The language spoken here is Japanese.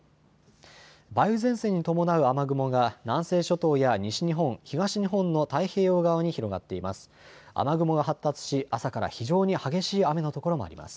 梅雨前線に伴う雨雲が南西諸島や西日本、東日本の太平洋側に広がっています。